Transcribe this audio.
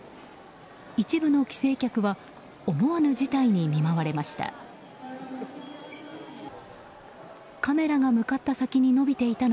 一部の帰省客は思わぬ事態に見舞われました。